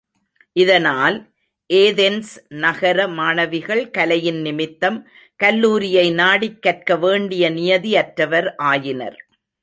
இதனால், ஏதென்ஸ் நகர மாணவிகள் கலையின் நிமித்தம் கல்லூரியை நாடிக் கற்க வேண்டிய நியதி அற்றவர் ஆயினர்.